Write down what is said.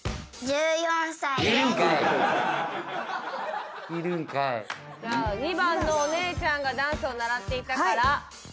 じゃあ２番のお姉ちゃんがダンスを習っていたから。